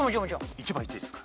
１番いっていいですか？